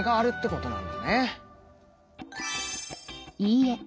いいえ。